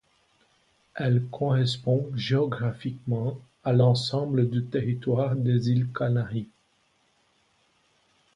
Elle correspond géographiquement à l'ensemble du territoire des îles Canaries.